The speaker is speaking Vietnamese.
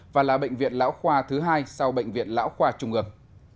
và là bệnh viện lão khoa thứ hai sau bệnh viện lão khoa trung ương